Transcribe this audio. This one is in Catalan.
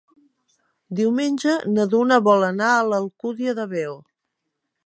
Diumenge na Duna vol anar a l'Alcúdia de Veo.